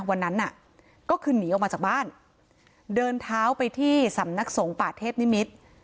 วันนั้นน่ะก็คือหนีออกมาจากบ้านเดินเท้าไปที่สำนักสงฆ์ป่าเทพนิมิตร